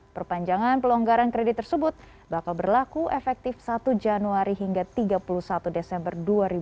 perpanjangan pelonggaran kredit tersebut bakal berlaku efektif satu januari hingga tiga puluh satu desember dua ribu dua puluh